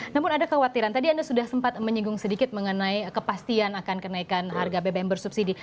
namun ada khawatiran tadi anda sudah sempat menyinggung sedikit mengenai kepastian akan kenaikan harga bbm bersubsidi